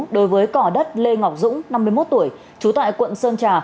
đối với cỏ đất lê ngọc dũng năm mươi một tuổi trú tại quận sơn trà